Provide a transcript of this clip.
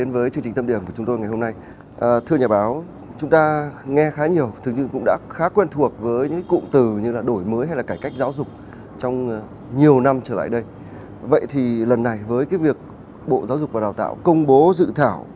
với việc bộ giáo dục và đào tạo công bố dự thảo